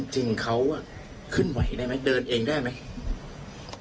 จริงเขาขึ้นไหวได้ไหมเดินเองได้ไหม